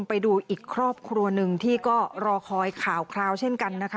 ไปดูอีกครอบครัวหนึ่งที่ก็รอคอยข่าวคราวเช่นกันนะคะ